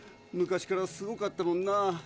昔からすごかったもんな。